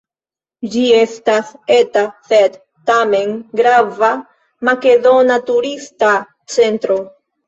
Ĝi estas eta sed tamen grava makedona turista centro.